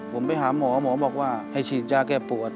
ผมไปหาหมอหมอบอกว่าให้ฉีดยาแก้ปวด